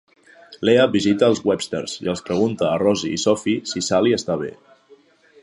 Lea visita els Websters i els pregunta a Rosie i Sophie si Sally està bé.